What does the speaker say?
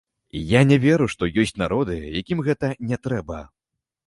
Я не веру, што ёсць народы, якім гэта не трэба.